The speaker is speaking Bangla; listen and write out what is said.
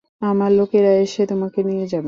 আমার লোকেরা এসে তোমাকে নিয়ে যাবে।